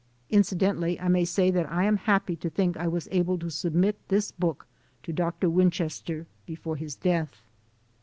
Incidentally, I may say that I am happy to think I was able to submit this book to Dr. Win chester before his death.